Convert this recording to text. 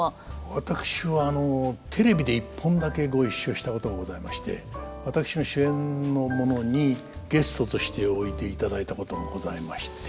私はテレビで一本だけご一緒したことがございまして私の主演のものにゲストとしておいでいただいたことがございまして。